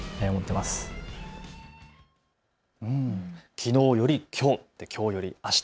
きのうよりきょう、きょうよりあした。